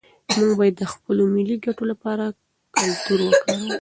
موږ باید د خپلو ملي ګټو لپاره کلتور وکاروو.